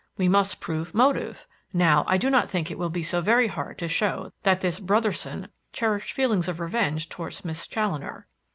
We must prove motive. Now, I do not think it will be so very hard to show that this Brotherson cherished feelings of revenge towards Miss Challoner.